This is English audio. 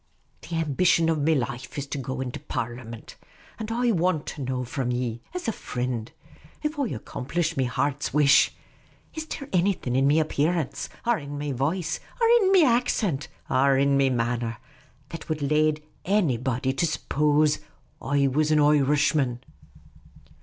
The ambition of me life is to get into Parlimint. And I want to know from ye, as a frind — if I accomplish me heart's wish — is there annything, in me apparence, ar in me voice, ar in me accent, ar in me manner, that would lade annybody to suppose I was an Oirishman